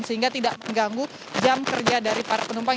sehingga tidak mengganggu jam kerja dari para penumpang